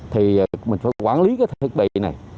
thì mình phải quản lý cái thiết bị này